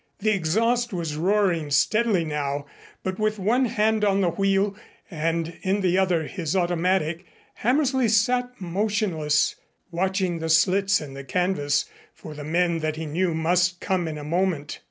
The exhaust was roaring steadily now, but with one hand on the wheel and in the other his automatic, Hammersley sat motionless, watching the slits in the canvas for the men that he knew must come in a moment.